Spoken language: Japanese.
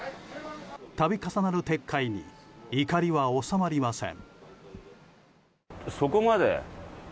度重なる撤回に怒りは収まりません。